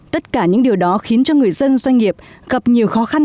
tất cả những điều đó khiến cho người dân doanh nghiệp gặp nhiều khó khăn